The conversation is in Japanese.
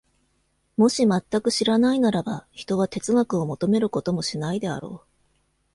もし全く知らないならば、ひとは哲学を求めることもしないであろう。